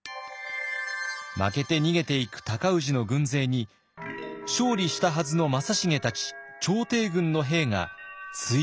負けて逃げていく尊氏の軍勢に勝利したはずの正成たち朝廷軍の兵がついて行くのです。